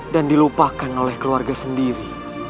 dan dilupakan oleh keluarga sendiri